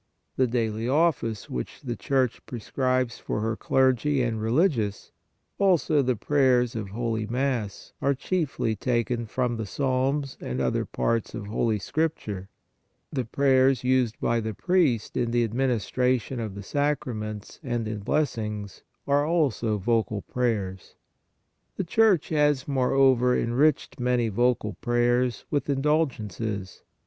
The daily Divine Office which the Church prescribes to her Clergy and Religious, also the prayers of Holy Mass are chiefly taken from the Psalms and other parts of Holy Scripture; the prayers used by the priest in the administration of the sacraments and in blessings are also vocal prayers. The Church has, moreover, enriched many vocal prayers with indulgences.